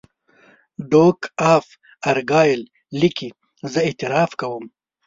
ډوک آف ارګایل لیکي زه اعتراف کوم.